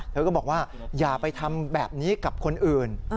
เธอก็บอกว่าอย่าไปทำแบบนี้กับคนอื่น